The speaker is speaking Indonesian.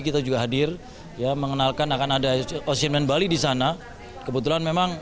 kita juga hadir ya mengenalkan akan ada ocean man bali di sana kebetulan memang